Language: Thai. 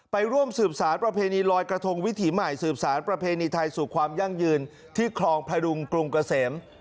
ไปร่วมสืบสารประเพณีลอยกระทงวิถีใหม่สืบสารประเพณีไทยสู่ความยั่งยืนที่คลองพระดุงกรุงเกษม